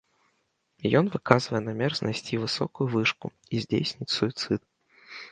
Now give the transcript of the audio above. Ён выказвае намер знайсці высокую вышку і здзейсніць суіцыд.